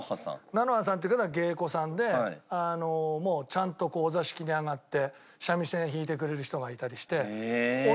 菜乃葉さんって方は芸妓さんでもうちゃんとこうお座敷に上がって三味線弾いてくれる人がいたりして。